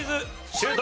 シュート！